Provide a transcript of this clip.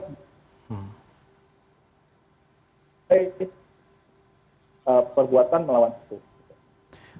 perbuatan melawan itu